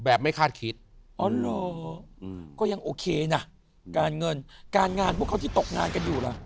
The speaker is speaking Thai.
ไม่คาดคิดอ๋อเหรอก็ยังโอเคนะการเงินการงานพวกเขาที่ตกงานกันอยู่ล่ะ